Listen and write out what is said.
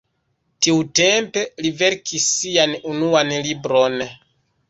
Tiutempe li verkis sian unuan libron.